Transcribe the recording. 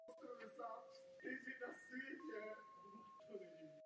Do určité míry odhalují vyšší ceny pravdu o životním prostředí.